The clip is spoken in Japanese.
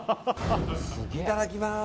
いただきまーす。